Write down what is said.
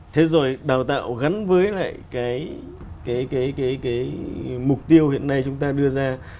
thế rồi đào tạo gắn với lại cái mục tiêu hiện nay chúng ta đưa ra